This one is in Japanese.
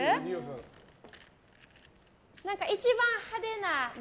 一番派手な。